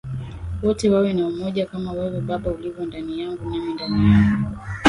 Wote wawe na umoja kama wewe Baba ulivyo ndani yangu nami ndani yako